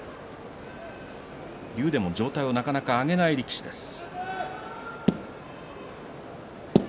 竜電も上体をなかなか上げない力士です。